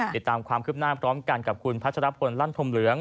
ติดตามความคลิบหน้ากล้องกันกับคุณพัชรัพย์คนลันพลมเหลือง